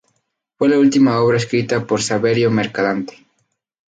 Fue la última obra escrita por Saverio Mercadante.